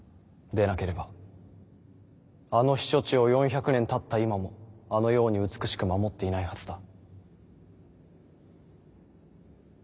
でなければあの避暑地を４００年たった今もあのように美しく守っていないはずだ。